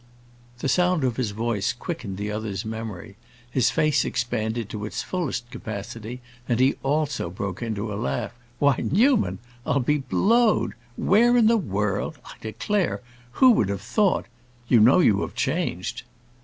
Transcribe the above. The sound of his voice quickened the other's memory, his face expanded to its fullest capacity, and he also broke into a laugh. "Why, Newman—I'll be blowed! Where in the world—I declare—who would have thought? You know you have changed."